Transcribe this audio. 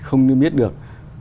không niêm yết được